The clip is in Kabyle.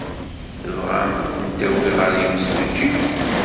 Tebɣam ad ken-awiɣ ɣer yimsujji?